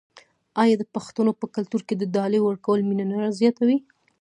آیا د پښتنو په کلتور کې د ډالۍ ورکول مینه نه زیاتوي؟